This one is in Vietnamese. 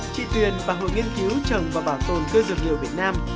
tri tuyền và hội nghiên cứu trồng và bảo tồn cơ dược liệu việt nam